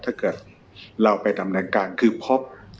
ถ้าเกิดเราไปดำเนินการคือพบ